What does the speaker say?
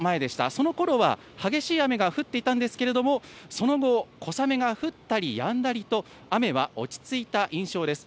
そのころは激しい雨が降っていたんですけれども、その後、小雨が降ったりやんだりと雨は落ち着いた印象です。